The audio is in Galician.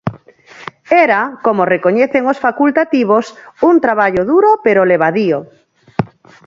Era, como recoñecen os facultativos un traballo duro pero levadío.